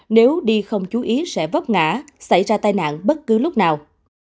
nếu đi không chú ý sẽ vấp ngã xảy ra tai nạn bất cứ lúc nào